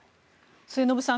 末延さん